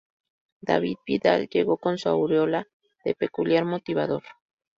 David Vidal llegó con su aureola de peculiar motivador.